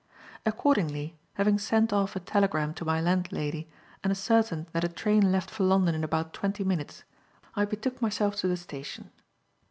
Accordingly, having sent off a telegram to my landlady and ascertained that a train left for London in about twenty minutes, I betook myself to the station.